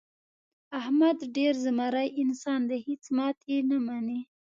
احمد ډېر زمری انسان دی. هېڅ ماتې نه مني.